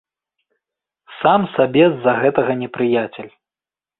Сам сабе з-за гэтага непрыяцель.